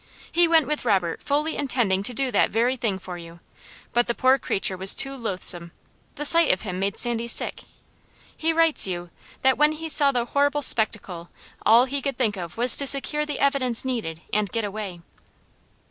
He went with Robert fully intending to do that very thing for you, but the poor creature was too loathsome. The sight of him made Sandy sick. He writes you that when he saw the horrible spectacle, all he could think of was to secure the evidence needed and get away."